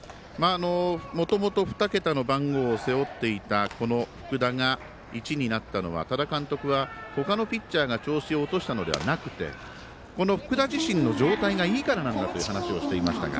もともと２桁の番号を背負っていたこの福田が１になったのは多田監督は他のピッチャーが調子を落としたのではなくてこの福田自身の状態がいいからなんだという話をしていました。